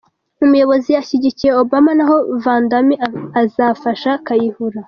Umuyobozi ashyigikiye Obama, naho Vandami azafasha Kayihura